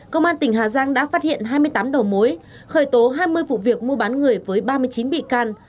công an tỉnh hà giang đã phát hiện hai mươi tám đầu mối khởi tố hai mươi vụ việc mua bán người với ba mươi chín bị can